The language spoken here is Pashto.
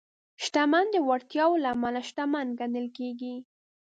شتمن د وړتیاوو له امله شتمن ګڼل کېږي.